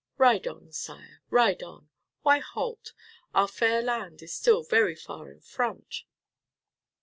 Ride on, Sire, ride on. Why halt? Our fair land is still very far in front."